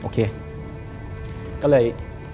ก็เลย